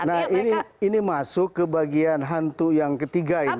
nah ini masuk ke bagian hantu yang ketiga ini